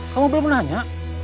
kamu belum nanya